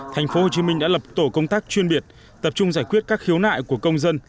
tp hcm đã lập tổ công tác chuyên biệt tập trung giải quyết các khiếu nại của công dân